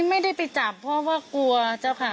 ไม่ได้ไปจับเพราะว่ากลัวเจ้าค่ะ